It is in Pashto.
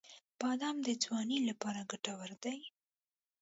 • بادام د ځوانۍ لپاره ګټور دی.